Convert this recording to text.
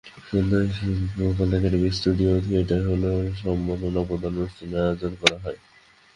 সন্ধ্যায় শিল্পকলা একাডেমীর studio theatre হলে সম্মাননা প্রদান অনুষ্ঠানের আয়োজন করা হয়।